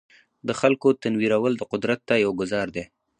د خلکو تنویرول د قدرت ته یو ګوزار دی.